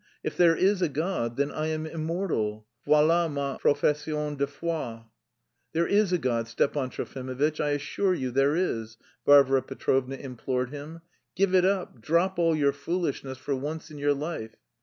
If there is a God, then I am immortal. Voilà ma profession de foi." "There is a God, Stepan Trofimovitch, I assure you there is," Varvara Petrovna implored him. "Give it up, drop all your foolishness for once in your life!"